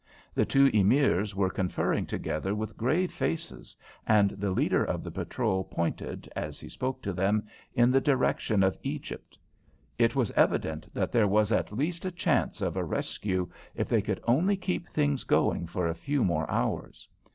The two Emirs were conferring together with grave faces, and the leader of the patrol pointed, as he spoke to them, in the direction of Egypt. It was evident that there was at least a chance of a rescue if they could only keep things going for a few more hours.